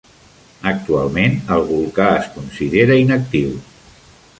Actualment el volcà es considera inactiu.